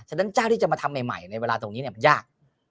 ฉะนั้นเจ้าที่จะมาทำใหม่ในเวลาตรงนี้มันยาก